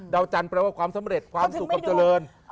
จันทร์แปลว่าความสำเร็จความสุขความเจริญ